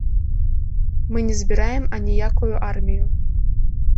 Мы не збіраем аніякую армію.